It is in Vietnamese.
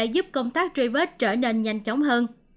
và sẽ giúp công tác tri vết trở nên nhanh chóng hơn